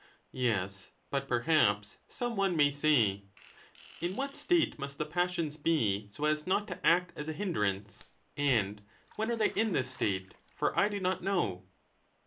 Yes, but perhaps some one may say, * In what state must the passions be so as not to act as a hindrance, and when are they in this state ? For I do not know.'